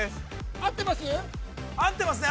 ◆合ってますね。